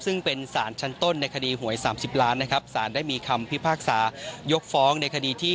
ซึ่งเป็นสารชั้นต้นในคดีหวย๓๐ล้านนะครับสารได้มีคำพิพากษายกฟ้องในคดีที่